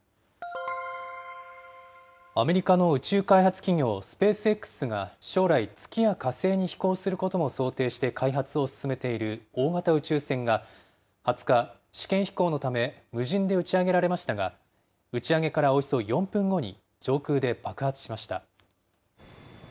アメリカの宇宙開発企業、スペースＸが将来月や火星に飛行することも想定して開発を進めている大型宇宙船が、２０日、試験飛行のため無人で打ち上げられましたが、打ち上げからおよそ４分後に上空で爆発しました。